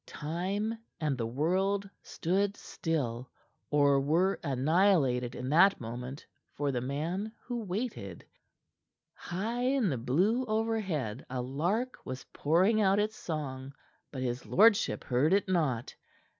Time and the world stood still, or were annihilated in that moment for the man who waited. High in the blue overhead a lark was pouring out its song; but his lordship heard it not.